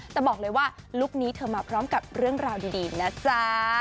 แต่บอกเลยว่าลุคนี้เธอมาพร้อมกับเรื่องราวดีนะจ๊ะ